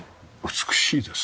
美しいですね。